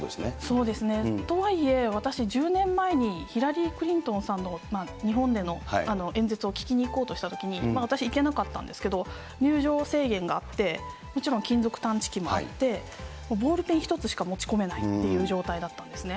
そうですね、とはいえ、私、１０年前にヒラリー・クリントンさんの日本での演説を聞きに行こうとしたときに、私行けなかったんですけれども、入場制限があって、もちろん金属探知機もあって、ボールペン１つしか持ち込めないという状態だったんですね。